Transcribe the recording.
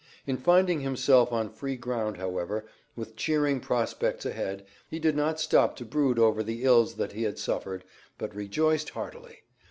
In finding himself on free ground, however, with cheering prospects ahead, he did not stop to brood over the ills that he had suffered, but rejoiced heartily.